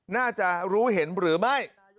น่าจะรู้เห็นหรือไม่